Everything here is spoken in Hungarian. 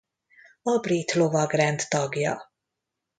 A brit lovagrend tagja.